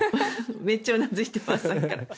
めっちゃうなずいてますさっきから。